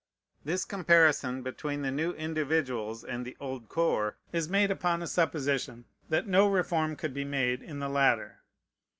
This comparison between the new individuals and the old corps is made upon a supposition that no reform could be made in the latter.